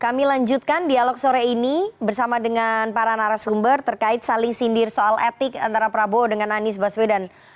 kami lanjutkan dialog sore ini bersama dengan para narasumber terkait saling sindir soal etik antara prabowo dengan anies baswedan